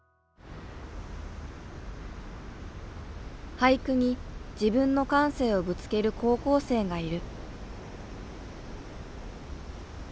俳句に自分の感性をぶつける高校生がいる。